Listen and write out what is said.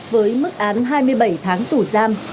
với mức án hai mươi bảy tháng tù giam